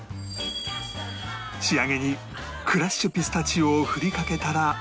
仕上げにクラッシュピスタチオを振りかけたら